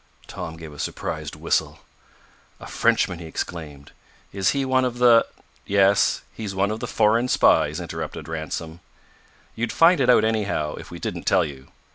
Tom gave a surprised whistle. "A frenchman!" he exclaimed. "Is he one of the ?" "Yes, he's one of the foreign spies," interrupted Ransom. "You'd find it out, anyhow, if we didn't tell you.